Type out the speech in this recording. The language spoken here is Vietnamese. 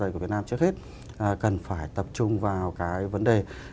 của việt nam trước hết cần phải tập trung vào cái vấn đề